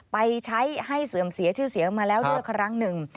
ไปใช้ให้เสื่อมเสียชื่อเสียงมาแล้วด้วยครั้งหนึ่ง